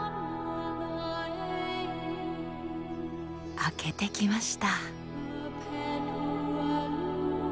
明けてきました。